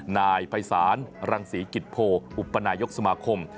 นายภัยศาลรังศรีกิจโพอุปนายกสมาคม